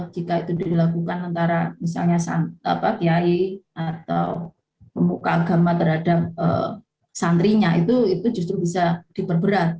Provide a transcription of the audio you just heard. jika itu dilakukan antara misalnya kiai atau pemuka agama terhadap santrinya itu justru bisa diperberat